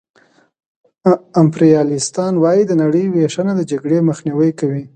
امپریالیستان وايي د نړۍ وېشنه د جګړې مخنیوی کوي